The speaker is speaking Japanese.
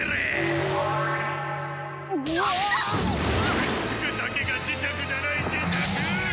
くっつくだけが磁石じゃないジシャク。